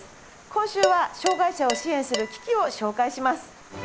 今週は障がい者を支援する機器を紹介します。